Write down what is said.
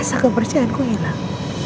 rasa kepercayaanku hilang